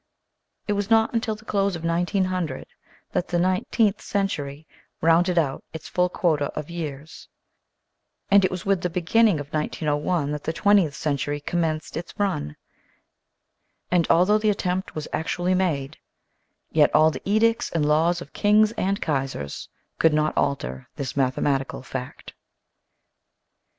It was not until the close of 1900 that the nineteenth century rounded out its full quota of years, and it was 212 THAT "THE EXCEPTION PROVES THE RULE" 213 with the beginning of 1901 that the twentieth century commenced its run. And although the attempt was actually made, yet all the edicts and laws of kings and Kaisers could not alter this mathematical fact.